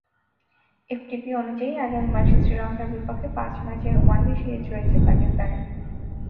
FTP অনুযায়ী, আগামী মাসে শ্রীলঙ্কার বিপক্ষে পাঁচ ম্যাচের ওয়ানডে সিরিজ রয়েছে পাকিস্তানের।